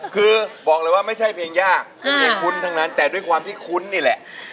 คือบอกเลยว่าไม่ใช่เพลงยากเพลงคุ้นทั้งนั้นแต่ด้วยความที่คุ้นนี่แหละ